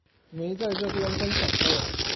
沒在這邊分享過